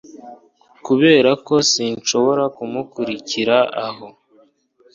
kuberako sinshobora kumukurikira aho